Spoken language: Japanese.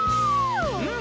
うん。